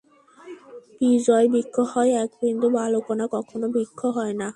বীজই বৃক্ষ হয়, একবিন্দু বালুকণা কখনও বৃক্ষ হয় না।